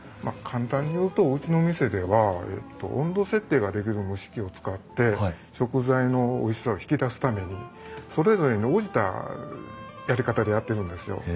簡単に言うとうちの店では温度設定ができる蒸し器を使って食材のおいしさを引き出すためにそれぞれに応じたやり方でやってるんですよ。